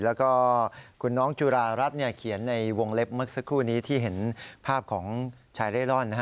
แล้วก็คุณน้องจุรารัฐเขียนในวงเล็บเมื่อสักครู่นี้ที่เห็นภาพของชายเร่ร่อน